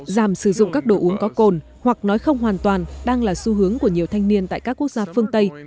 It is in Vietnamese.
giảm sử dụng các đồ uống có cồn hoặc nói không hoàn toàn đang là xu hướng của nhiều thanh niên tại các quốc gia phương tây